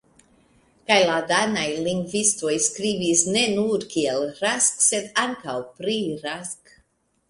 Kaj la danaj lingvistoj skribis ne nur kiel Rask, sed ankaŭ pri Rask.